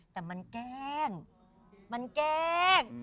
แต่มันแกล้งมันแกล้ง